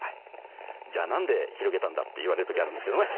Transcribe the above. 「じゃあ何で広げたんだ？」って言われる時あるんですけどね。